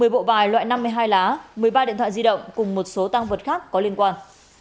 một mươi bộ bài loại năm mươi hai lá một mươi ba điện thoại di động cùng một số tăng vật khác có liên quan